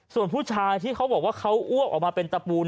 ส่วนผู้ชายที่เขาบอกว่าเขาอ้วกออกมาเป็นตะปูน